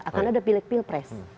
akan ada pilik pilpres